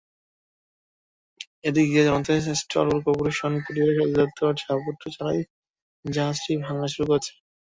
এদিকে Janata steel corporation পরিবেশ অধিদপ্তরের ছাড়পত্র ছাড়াই জাহাজটি ভাঙা শুরু করেছে।